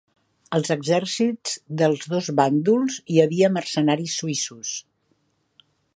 Als exèrcits dels dos bàndols hi havia mercenaris suïssos.